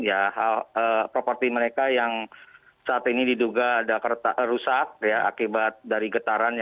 ya properti mereka yang saat ini diduga ada rusak ya akibat dari getaran